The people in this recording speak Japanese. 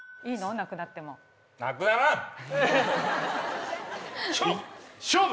なくなってもなくならん勝負！